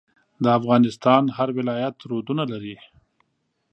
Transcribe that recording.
د افغانستان هر ولایت رودونه لري.